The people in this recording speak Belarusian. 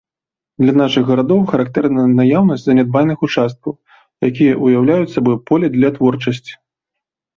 Для нашых гарадоў характэрная наяўнасць занядбаных участкаў, якія ўяўляюць сабой поле для творчасці.